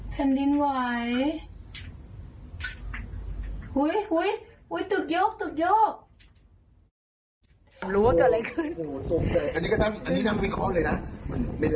แผ่นดินไหว